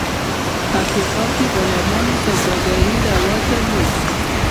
افریقا کې غلامانو سوداګري رواج درلود.